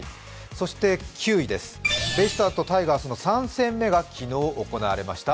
そして９位です、ベイスターズとタイガースの３戦目が昨日、行われました。